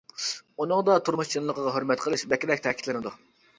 ئۇنىڭدا تۇرمۇش چىنلىقىغا ھۆرمەت قىلىش بەكرەك تەكىتلىنىدۇ.